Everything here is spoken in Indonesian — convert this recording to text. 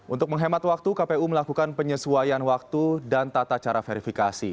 untuk menghemat waktu kpu melakukan penyesuaian waktu dan tata cara verifikasi